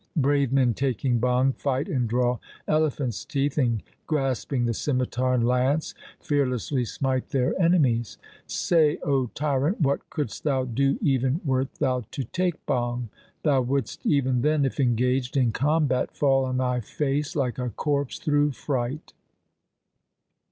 Brave men taking bhang fight and draw elephant's teeth, and grasping the scimitar and lance fearlessly smite their enemies. Say, O tyrant, what couldst thou do even wert thou to take bhang ? Thou wouldst even then, if engaged in combat, fall on thy face like a corpse through fright.